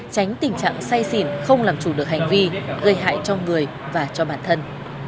tránh tình trạng say xỉn không làm chủ được hành vi gây hại cho người và cho bản thân